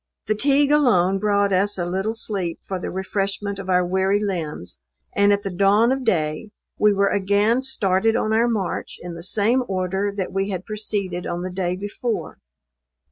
Fatigue alone brought us a little sleep for the refreshment of our weary limbs; and at the dawn of day we were again started on our march in the same order that we had proceeded on the day before.